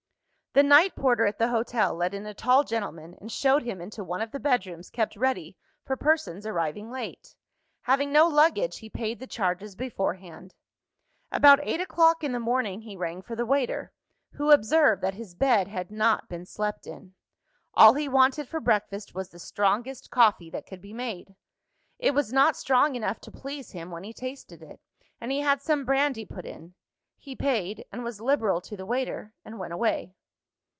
The night porter at the hotel let in a tall gentleman, and showed him into one of the bedrooms kept ready for persons arriving late. Having no luggage, he paid the charges beforehand. About eight o'clock in the morning, he rang for the waiter who observed that his bed had not been slept in. All he wanted for breakfast was the strongest coffee that could be made. It was not strong enough to please him when he tasted it; and he had some brandy put in. He paid, and was liberal to the waiter, and went away.